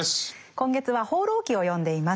今月は「放浪記」を読んでいます。